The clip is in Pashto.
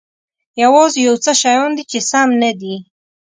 یوازې یو څه شیان دي چې سم نه دي.